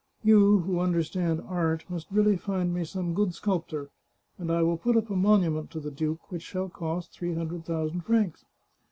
You, who under stand art, must really find me some good sculptor, and I will put up a monument to the duke which shall cost three hundred thousand francs."